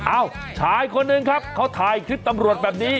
ชายคนหนึ่งครับเขาถ่ายคลิปตำรวจแบบนี้